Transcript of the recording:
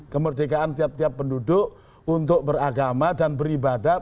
kemerdekaan tiap tiap penduduk untuk beragama dan beribadah